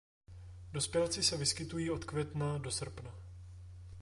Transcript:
Dospělci se vyskytují od května do srpna.